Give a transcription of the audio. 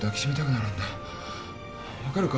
分かるか？